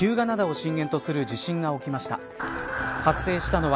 灘を震源とする地震が起きました。